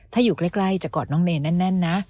ถ้าอยู่ใกล้จะกอดน้องเนรแน่นนะ